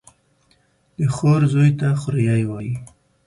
د خور زوى ته خوريه وايي.